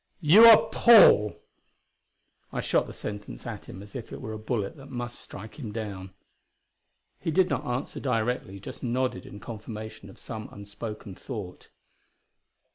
"You are 'Paul'!" I shot the sentence at him as if it were a bullet that must strike him down. He did not answer directly; just nodded in confirmation of some unspoken thought.